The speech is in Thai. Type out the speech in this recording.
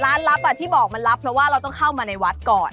ลับที่บอกมันรับเพราะว่าเราต้องเข้ามาในวัดก่อน